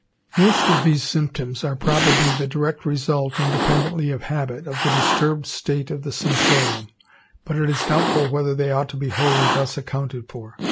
Most of these symptoms are probably the direct result, independently of habit, of the disturbed state of the sensorium; but it is doubtful whether they ought to be wholly thus accounted for.